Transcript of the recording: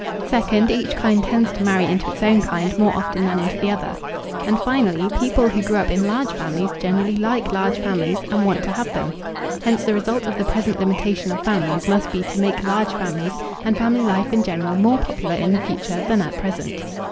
Second, each kind tends to marry into its own kind more often than into the other. And finally, people who grew up in large families generally like large families and want to have them. Hence the result of the present limitation of families must be to make large families and family life in general more popular in the future than at present.